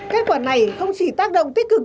kết quả này không chỉ tác động tích cực